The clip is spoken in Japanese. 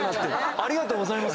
ありがとうございます。